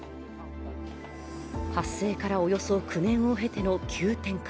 発生からおよそ９年を経ての急展開